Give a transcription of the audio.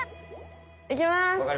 いきます！